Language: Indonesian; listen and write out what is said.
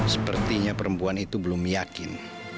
sepertinya perempuan itu belum yakin